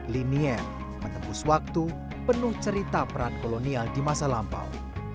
linier menembus waktu penuh cerita peran kolonial di masa lampau